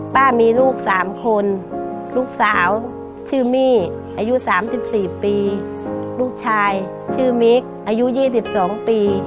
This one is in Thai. ป้ามีลูก๓คนลูกสาวชื่อมี่อายุ๓๔ปีลูกชายชื่อมิคอายุ๒๒ปี